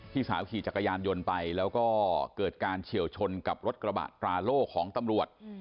สาวขี่จักรยานยนต์ไปแล้วก็เกิดการเฉียวชนกับรถกระบะตราโล่ของตำรวจ